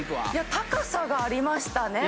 高さがありましたね。